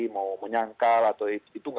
mau menyangkal atau itu